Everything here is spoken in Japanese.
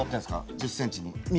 １０ｃｍに。